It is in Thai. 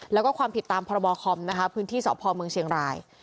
แล้วก็ความผิดตามพรบคอมนะคะพื้นที่สพเมืองเชียงราย